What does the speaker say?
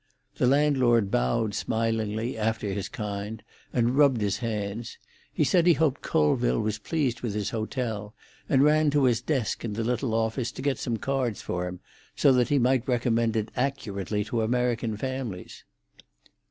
The landlord bowed smilingly, after his kind, and rubbed his hands. He said he hoped Colville was pleased with his hotel, and ran to his desk in the little office to get some cards for him, so that he might recommend it accurately to American families.